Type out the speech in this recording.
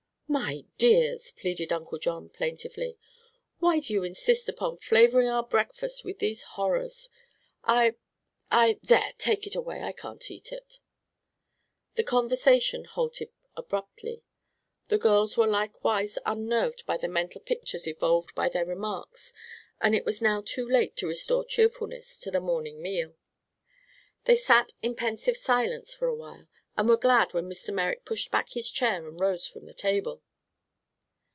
"My dears!" pleaded Uncle John, plaintively, "why do you insist upon flavoring our breakfast with these horrors? I I there! take it away; I can't eat." The conversation halted abruptly. The girls were likewise unnerved by the mental pictures evolved by their remarks and it was now too late to restore cheerfulness to the morning meal. They sat in pensive silence for a while and were glad when Mr. Merrick pushed back his chair and rose from the table.